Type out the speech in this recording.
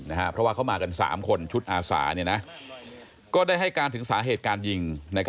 เพราะว่าเขามากัน๓คนชุดอาสาก็ได้ให้การถึงสาเหตุการยิง